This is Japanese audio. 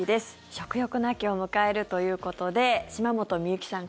食欲の秋を迎えるということで島本美由紀さん